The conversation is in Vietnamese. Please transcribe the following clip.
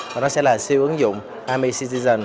và nó sẽ là siêu ứng dụng army citizen